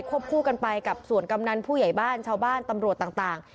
คู่กันไปกับส่วนกำนันผู้ใหญ่บ้านชาวบ้านตำรวจต่าง